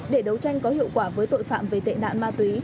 để đấu tranh có hiệu quả với tội phạm về tệ nạn ma túy